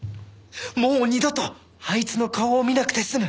もう二度とあいつの顔を見なくて済む